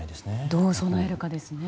どう備えるかですね。